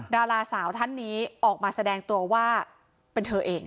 ดาราสาวท่านนี้ออกมาแสดงตัวว่าเป็นเธอเอง